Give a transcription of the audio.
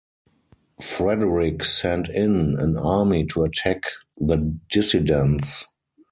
Frederick sent in an army to attack the dissidents.